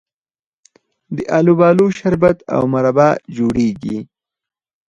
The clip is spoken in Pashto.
د الوبالو شربت او مربا جوړیږي.